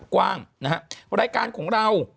กว้างนะฮะรายการของเรา